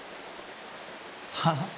はあ？